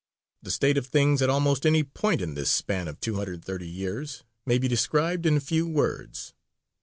The state of things at almost any point in this span of two hundred and thirty years may be described in few words.